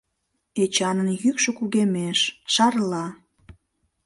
Эчанын йӱкшӧ кугемеш, шарла.